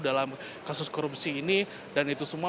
dalam kasus korupsi ini dan itu semua